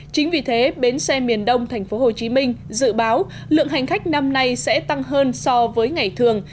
chính vì thế bến xe miền đông tp hcm dự báo lượng hành khách năm nay sẽ tăng hơn so với ngày thường